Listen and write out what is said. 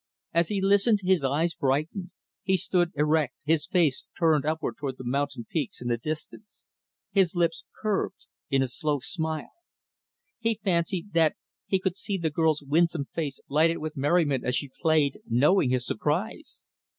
As he listened, his eyes brightened; he stood erect, his face turned upward toward the mountain peaks in the distance; his lips curved in a slow smile. He fancied that he could see the girl's winsome face lighted with merriment as she played, knowing his surprise.